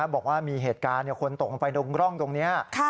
บอกว่ามีเหตุการณ์คนตกลงไปตรงร่องตรงนี้